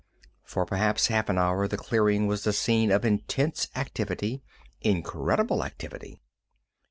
For perhaps half an hour the clearing was the scene of intense activity, incredible activity.